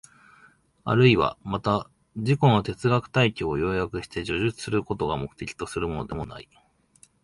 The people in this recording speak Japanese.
あるいはまた自己の哲学体系を要約して叙述することを目的とするものでもない。